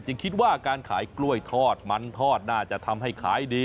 คิดว่าการขายกล้วยทอดมันทอดน่าจะทำให้ขายดี